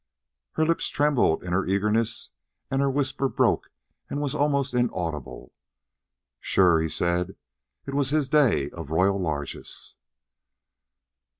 Her lips trembled in her eagerness, and her whisper broke and was almost inaudible "Sure," he said. It was his day of royal largess.